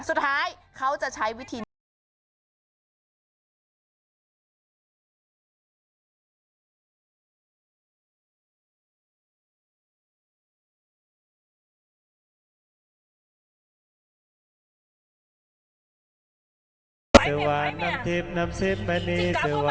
สุดท้ายเขาจะใช้วิธีนี้